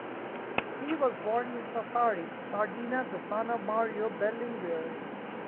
He was born in Sassari, Sardinia, the son of Mario Berlinguer.